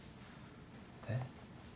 えっ？